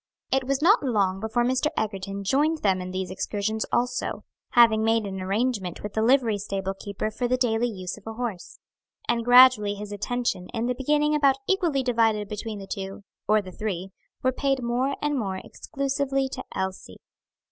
It was not long before Mr. Egerton joined them in these excursions also, having made an arrangement with a livery stable keeper for the daily use of a horse. And gradually his attention, in the beginning about equally divided between the two, or the three, were paid more and more exclusively to Elsie.